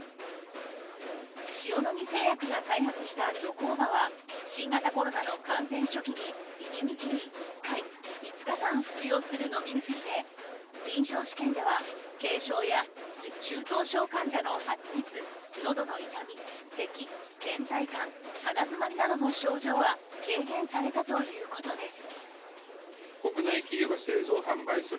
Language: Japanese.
塩野義製薬が開発したゾコーバは新型コロナの感染初期に１日に１回５日間服用する飲み薬で臨床試験では軽症や中等症患者の発熱のどの痛み、せき倦怠感、鼻づまりなどの症状は軽減されたということです。